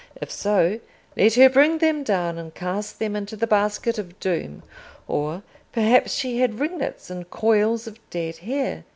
If so, let her bring them down and cast them into the basket of doom. Or, perhaps, she had ringlets and coils of "dead hair?"